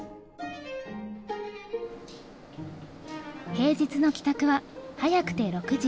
平日の帰宅は早くて６時。